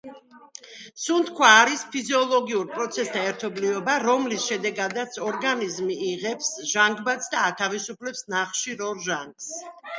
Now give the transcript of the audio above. სუნთქვა არის: ფიზიოლოგიურ პროცესთა ერთობლიობა, რომლის შედეგადაც ორგანიზმი იღებს ჟანგბადს და ათავისუფლებს ნახშირორჟანგს.